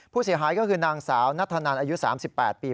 ผู้เสียหายก็คือนางสาวนัทธนันอายุ๓๘ปี